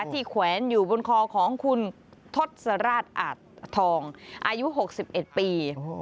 แขวนอยู่บนคอของคุณทศราชอาจทองอายุ๖๑ปี